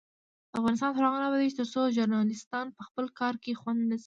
افغانستان تر هغو نه ابادیږي، ترڅو ژورنالیستان په خپل کار کې خوندي نشي.